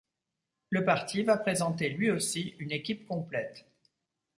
Le parti va présenter lui aussi une équipe complète.